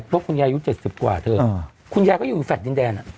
เพราะคุณยายอยู่เจ็ดสิบกว่าเถอะอ่าคุณยายก็อยู่อยู่แฟดดินแดนอ่ะ